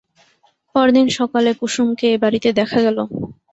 পরদিন সকালে কুসুমকে এ বাড়িতে দেখা গেল।